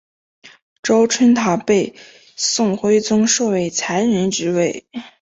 周春桃被宋徽宗授为才人之位。